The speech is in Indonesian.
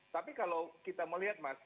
tapi kalau kita melihat mas